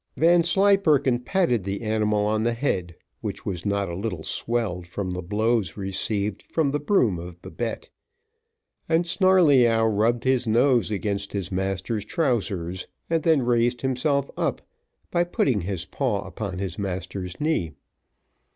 Vanslyperken patted the animal on the head, which was not a little swelled from the blows received from the broom of Babette, and Snarleyyow rubbed his nose against his master's trousers, and then raised himself up, by putting his paw upon his master's knee.